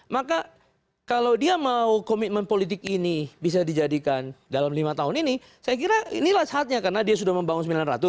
maka kalau dia mau komitmen politik ini bisa dijadikan dalam lima tahun ini saya kira inilah saatnya karena dia sudah membangun sembilan ratus